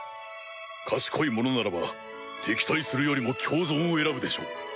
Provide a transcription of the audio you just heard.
賢い者ならば敵対するよりも共存を選ぶでしょう。